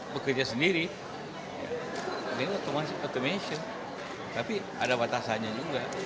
bekerja sendiri ini otomatisasi tapi ada batasannya juga